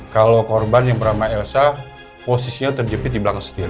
kalau korban yang bernama elsa posisinya terjepit di belakang setir